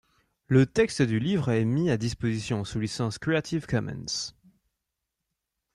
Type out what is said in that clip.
Le texte du livre est mis à disposition sous licence Creative Commons.